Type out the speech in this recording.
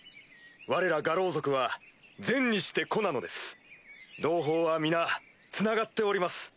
われら牙狼族は「全にして個」なのです。同胞は皆つながっております。